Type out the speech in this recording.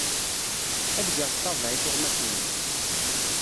Ad d-geɣ ḍḍabeɛ i tuɣmas-nnem.